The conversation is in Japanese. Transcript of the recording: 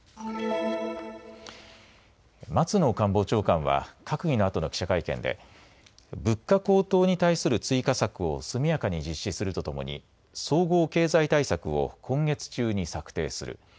松野官房長官は閣議のあとの記者会見で物価高騰に対する追加策を速やかに実施するとともに総合経済対策を今月中に策定する。